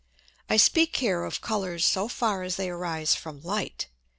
I speak here of Colours so far as they arise from Light.